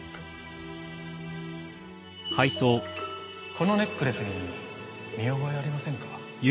このネックレスに見覚えありませんか？